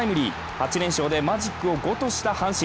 ８連勝でマジックを５とした阪神。